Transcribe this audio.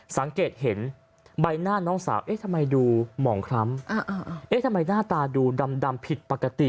สังเกตเห็นใบหน้าน้องสาวเอ๊ะทำไมดูหมองคล้ำเอ๊ะทำไมหน้าตาดูดำผิดปกติ